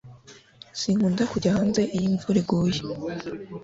Sinkunda kujya hanze iyo imvura iguye